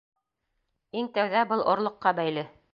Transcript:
Иң тәүҙә был орлоҡҡа бәйле.